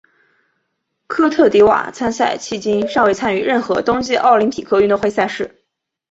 科特迪瓦参赛迄今尚未参与任何冬季奥林匹克运动会赛事。